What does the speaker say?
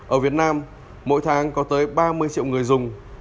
ở việt nam mỗi tháng có tới ba mươi triệu người dùng